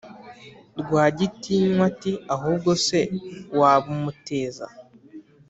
Rwagitinywa ati"ahubwo se wabumuteza?"